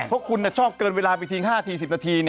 เพราะคุณชอบเกินเวลาไปทิ้ง๕ที๑๐นาที